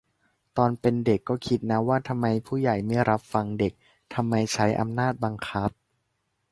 ตอนเป็นเด็กก็คิดนะ ว่าทำไมผู้ใหญ่ไม่รับฟังเด็ก ทำไมใช้อำนาจบังคับ